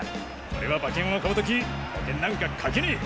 俺は馬券を買う時保険なんかかけねえ。